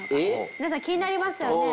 皆さん気になりますよね？